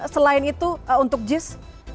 selain itu untuk jis